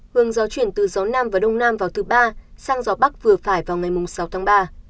hương gió chuyển từ gió nam và đông nam vào thứ ba sang gió bắc vừa phải vào ngày sáu tháng ba